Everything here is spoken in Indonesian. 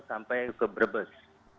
sampai ke berbes